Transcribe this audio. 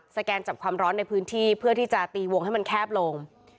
แกนจับความร้อนในพื้นที่เพื่อที่จะตีวงให้มันแคบลง